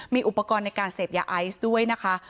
มีอุปกรณ์ในการเสพยาไอซ์ด้วยนะคะ